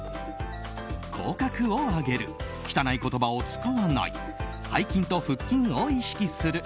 口角を上げる汚い言葉を使わない背筋と腹筋を意識する。